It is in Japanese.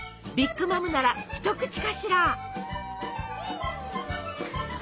ビッグ・マムなら一口かしら。